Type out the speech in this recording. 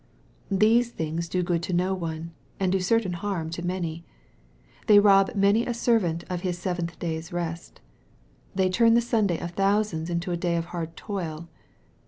These things do good to none, and do certain harm to many. They rob many a servant of his seventh day's refe't. They turn the Sunday of thousands into a day of hard toil.